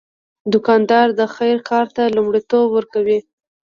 دوکاندار د خیر کار ته لومړیتوب ورکوي.